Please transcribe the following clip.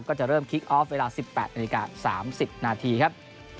ก็จะเริ่มคิกออฟเวลา๑๘นาฬิกา๓๐นาทีครับ